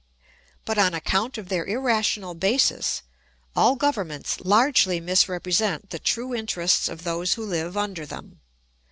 But on account of their irrational basis all governments largely misrepresent the true interests of those who live under them.